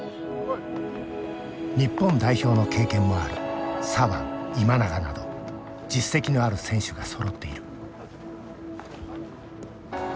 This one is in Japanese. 日本代表の経験もある左腕今永など実績のある選手がそろっている。